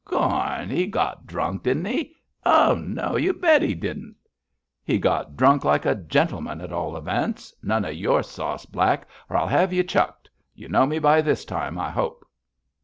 'Garn! 'e got drunk, didn't he? Oh, no! You bet he didn't.' 'He got drunk like a gentleman, at all events. None of your sauce, Black, or I'll have you chucked. You know me by this time, I hope.'